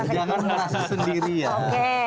jangan merasa sendirian